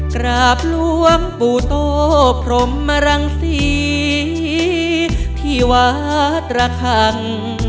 กราบหลวงปู่โตพรมรังศรีที่วัดระคัง